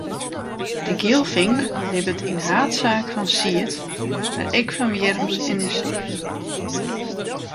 De gielfink libbet yn haadsaak fan sied, mar ek fan wjirms en ynsekten.